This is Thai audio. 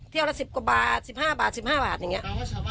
ละ๑๐กว่าบาท๑๕บาท๑๕บาทอย่างนี้